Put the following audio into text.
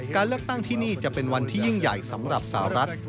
การเลือกตั้งที่นี่จะเป็นวันที่ยิ่งใหญ่สำหรับสาวรัฐ